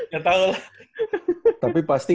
gak tahu lah tapi pasti